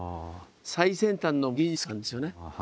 最先端の技術なんですよね。